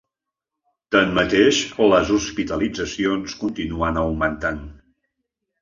Tanmateix, les hospitalitzacions continuen augmentant.